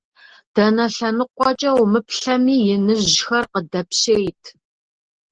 Дэнэ лъэныкъуэкӏэ умыплъэми, иныжьхэр къыдэпщейт.